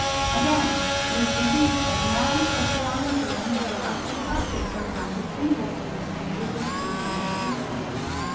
Again, it is believed that a man who has been on a journey may have contracted some magic evil from the strangers with whom he has associated.